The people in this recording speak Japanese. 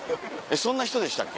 そんな人でしたっけ？